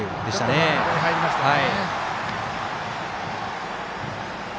ちょっと真ん中に入りましたね。